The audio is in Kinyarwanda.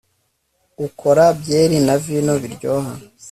Ukora byeri na vino biryoha